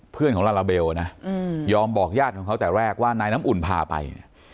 ของลาลาเบลนะยอมบอกญาติของเขาแต่แรกว่านายน้ำอุ่นพาไปเนี่ย